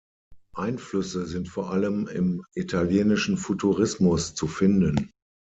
Einflüsse sind vor allem im italienischen Futurismus zu finden.